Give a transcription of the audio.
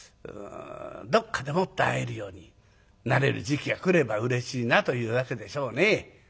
どっかでもって会えるようになれる時期が来ればうれしいなというわけでしょうね。